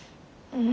うん。